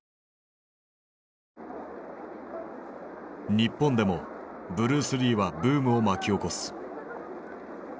日本でもブルース・リーはブームを巻き起こす。